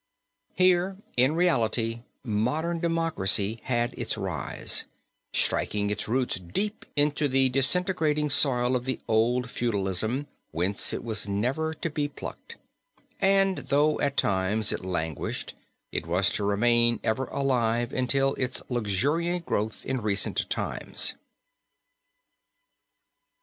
Here in reality modern democracy had its rise, striking its roots deep into the disintegrating soil of the old feudalism whence it was never to be plucked, and though at times it languished it was to remain ever alive until its luxuriant growth in recent times.